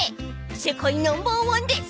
［世界ナンバーワンです］